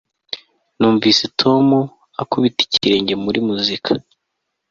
Numvise Tom akubita ikirenge muri muzika